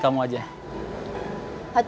kampus ke depan tidas